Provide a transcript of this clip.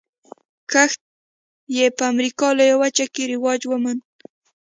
کښت یې په امریکا لویه وچه کې رواج وموند.